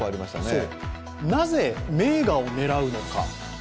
なぜ名画を狙うのか。